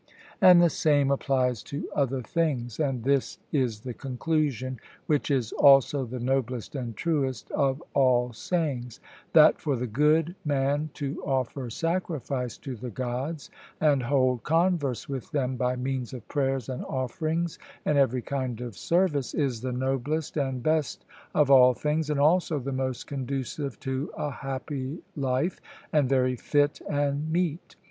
And the same applies to other things; and this is the conclusion, which is also the noblest and truest of all sayings, that for the good man to offer sacrifice to the Gods, and hold converse with them by means of prayers and offerings and every kind of service, is the noblest and best of all things, and also the most conducive to a happy life, and very fit and meet.